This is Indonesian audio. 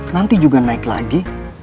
nanti juga naik lagi